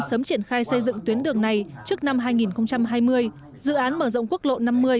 sớm triển khai xây dựng tuyến đường này trước năm hai nghìn hai mươi dự án mở rộng quốc lộ năm mươi